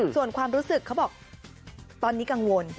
ส่วนความรู้สึกเขาบอกตอนนี้กังวล